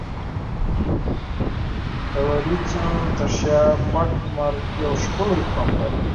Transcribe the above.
د وریځو تر شا پټ لمر یو ښکلی خوند لري.